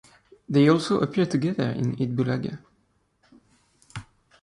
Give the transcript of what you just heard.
They also appeared together in Eat Bulaga!